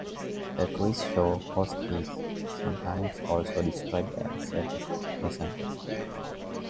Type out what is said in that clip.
A quiz show host is sometimes also described as a presenter.